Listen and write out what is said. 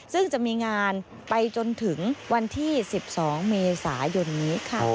ซึ่งจะมีงานไปจนถึงวันที่๑๒เมษายนนี้ค่ะ